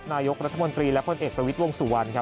นายกรัฐมนตรีและพลเอกประวิทย์วงสุวรรณครับ